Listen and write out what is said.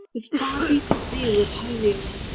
with far deeper zeal Of holier love.